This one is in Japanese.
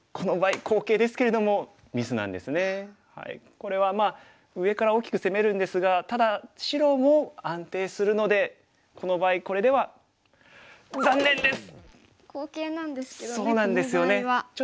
これはまあ上から大きく攻めるんですがただ白も安定するのでこの場合これでは好形なんですけどねこの場合は。